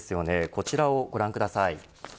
こちらをご覧ください。